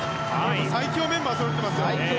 最強メンバーがそろってますよ。